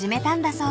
そう。